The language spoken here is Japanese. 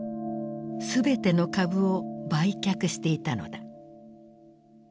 全ての株を売却していたのだ。